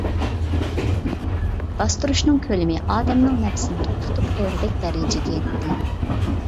باستۇرۇشنىڭ كۆلىمى ئادەمنىڭ نەپىسىنى توختىتىپ قويغۇدەك دەرىجىگە يەتتى.